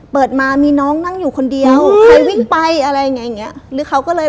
เปิดมามีน้องนั่งอยู่คนเดียวใครวิ่งไปอะไรอย่างเงี้ยหรือเขาก็เลย